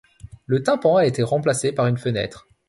Le tympan a été remplacé par une fenêtre.